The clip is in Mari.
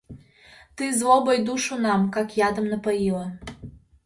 Ты злобой душу нам, как ядом, напоила...